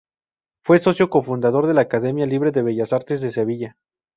Fue socio fundador de la Academia libre de Bellas Artes de Sevilla.